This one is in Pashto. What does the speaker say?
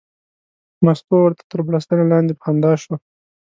مستو ورته تر بړستنې لاندې په خندا شوه.